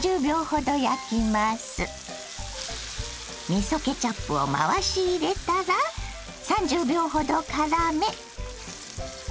肉はみそケチャップを回し入れたら３０秒ほどからめ